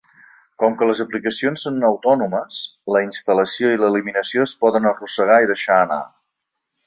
Com que les aplicacions són autònomes, la instal·lació i l'eliminació es poden arrossegar i deixar anar.